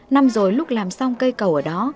năm rồi lúc làm xong cây cầu ở đó